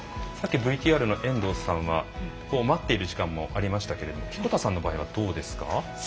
ＶＴＲの遠藤さんは待っている時間もありましたが彦田さんの場合はどうですか？